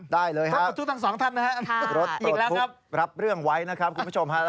ได้เลยครับทุกทางสองท่านนะฮะอีกแล้วครับรับเรื่องไว้นะครับคุณผู้ชมฮะ